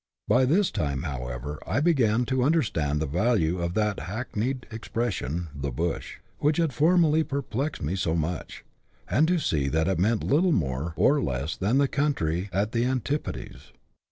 By this time, however, I began to understand the value of that hackneyed expression " the bush," which had formerly perplexed me so much, and to see that it meant little more or less than the country at the antipodes.